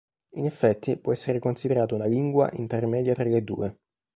In effetti può essere considerata una lingua intermedia tra le due.